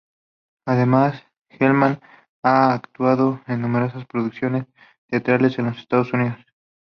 Además, Gelman ha actuado en numerosas producciones teatrales en los Estados Unidos.